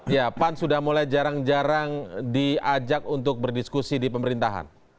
ya pan sudah mulai jarang jarang diajak untuk berdiskusi di pemerintahan